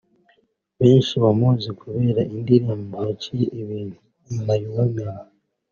Benshi bamuzi kubera indirimbo yaciye ibintu ‘My Woman